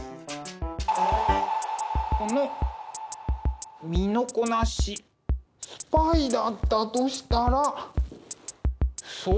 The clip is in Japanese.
この身のこなしスパイだったとしたら相当な。